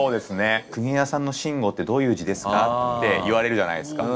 「国枝さんの『しんご』ってどういう字ですか？」って言われるじゃないですか。